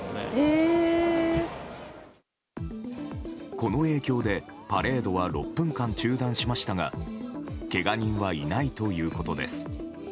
この影響でパレードは６分間中断しましたがけが人はいないということです。